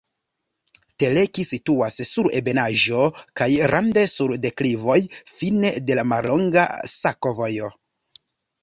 Teleki situas sur ebenaĵo kaj rande sur deklivoj, fine de mallonga sakovojo.